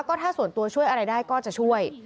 ก็ถ้าส่วนตัวช่วยอะไรได้ก็จะช่วย